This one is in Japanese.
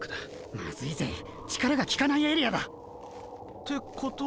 まずいぜ力がきかないエリアだ。ってことは。